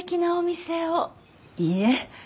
いいえ。